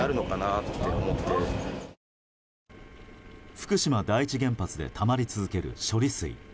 福島第一原発でたまり続ける処理水。